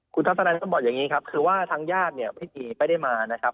คุณทัศนัยก็บอกอย่างนี้ครับคือว่าทางญาติเนี่ยพิธีไม่ได้มานะครับ